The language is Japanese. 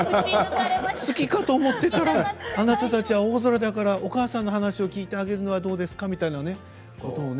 月かと思ってたらあなたたちは大空だからお母さんの話を聞いてあげるのはどうですかみたいなねことをね